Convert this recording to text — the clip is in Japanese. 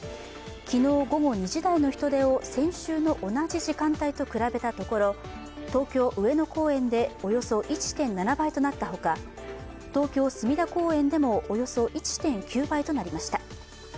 昨日午後２時台の人出を先週の同じ時間帯と比べたところ、東京・上野公園でおよそ１．７倍となったほか、東京・隅田公園でもおよそ１．９倍となりました。